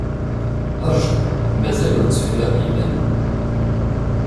Rju, mazal ur tt-friɣ d yiman-iw.